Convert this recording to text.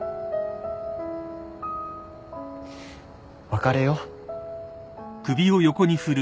別れよう。